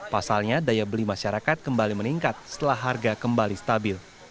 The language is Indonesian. pasalnya daya beli masyarakat kembali meningkat setelah harga kembali stabil